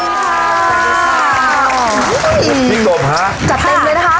สวัสดีค่ะสวัสดีค่ะสวัสดีค่ะสวัสดีค่ะ